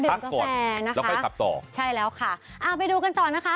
ดื่มกาแฟนะคะใช่แล้วค่ะเอาไปดูกันต่อนะคะ